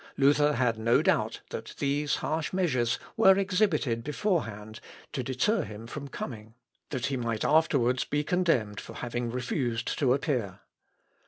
Luther had no doubt that these harsh measures were exhibited before hand, to deter him from coming, that he might afterwards be condemned for having refused to appear.